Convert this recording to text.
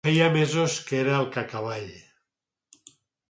Feia mesos que era el Cacavall.